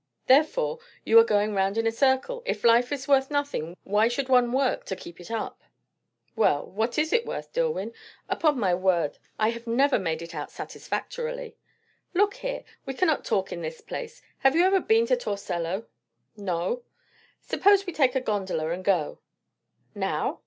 "Therefore you are going round in a circle. If life is worth nothing, why should one work to keep it up?" "Well, what is it worth, Dillwyn? Upon my word, I have never made it out satisfactorily." "Look here we cannot talk in this place. Have you ever been to Torcello?" "No." "Suppose we take a gondola and go?" "Now?